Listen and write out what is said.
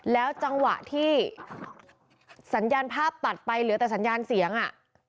แล้วจังหวะที่สัญญาณภาพตัดไปเหลือแต่สัญญาณเสียงอ่ะ